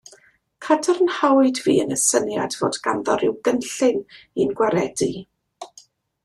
Cadarnhawyd fi yn y syniad fod ganddo ryw gynllun i'n gwaredu.